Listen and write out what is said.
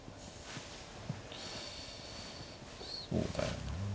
そうだよね。